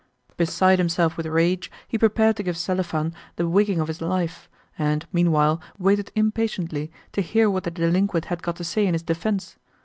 Beside himself with rage, he prepared to give Selifan the wigging of his life, and, meanwhile, waited impatiently to hear what the delinquent had got to say in his defence.